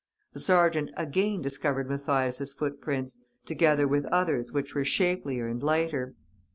The sergeant again discovered Mathias' footprints, together with others which were shapelier and lighter.